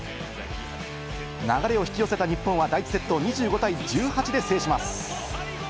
流れを引き寄せた日本は第１セットを２５対１８で制します。